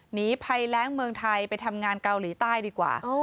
หนีภัยแรงเมืองไทยไปทำงานเกาหลีใต้ดีกว่า